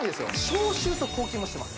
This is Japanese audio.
消臭と抗菌もしてます